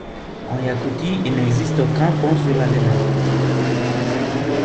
En Iakoutie, il n'existe aucun pont sur la Lena.